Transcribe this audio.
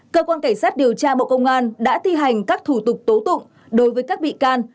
cơ quan cảnh sát điều tra bộ công an đã thi hành các thủ tục tố tụng đối với các bị can